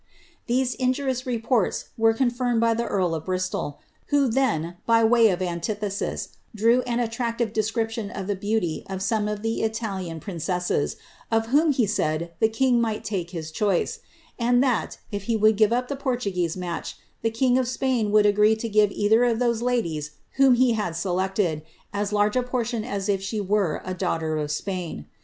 * These injurious reports were confirmed by the earl of Bristol, who then, by way of antithesis, drew an attractive description of the beanty of some of the Italian princesses, of whom he said the king might take his choice ; and that, if he would give up the Portuguese match, Uie king of Spain would agree to give either of those ladies whom he might select, as large a portion as if she were a daughter of Spain.